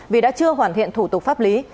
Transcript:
vì đã chưa hoàn thiện thủ tục pháp lý